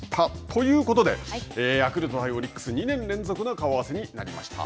ということでヤクルト対オリックス２年連続の顔合わせになりました。